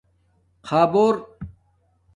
خبُر